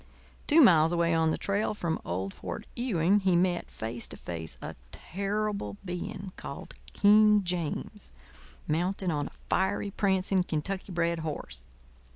Two miles away on the trail from old Fort Ewing he met, face to face, a terrible being called King James, mounted on a fiery, prancing, Kentucky bred horse.